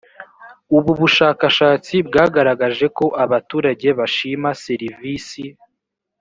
ubu bushakashatsi bwagaragaje ko abaturage bashima serivisi.